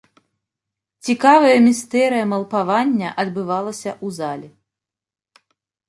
Цікавая містэрыя малпавання адбывалася ў залі.